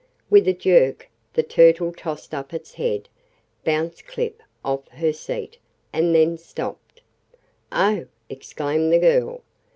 With a jerk the Turtle tossed up its head, bounced Clip off her seat, and then stopped. "Oh!" exclaimed the girl.